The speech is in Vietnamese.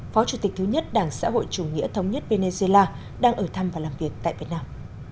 phó chủ tịch thứ nhất đảng xã hội chủ nghĩa thống nhất venezuela đang ở thăm và làm việc tại việt nam